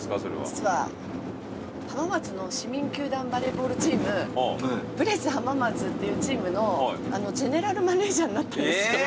実は浜松の市民球団バレーボールチームブレス浜松っていうチームのゼネラルマネジャーになったんですよ。